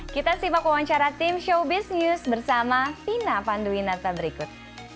kita simak wawancara tim showbiz news bersama vina panduwinata berikut